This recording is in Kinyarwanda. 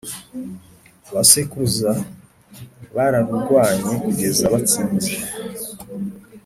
ba sekuruza bararurwanye kugeza batsinze